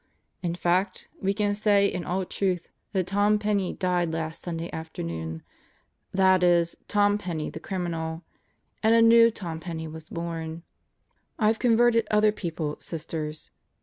In fact we can say in all truth that Tom Penney died last Sunday afternoon that is, Tom Penney, the criminal and a new Tom Penney was born. I've converted other people, Sisters.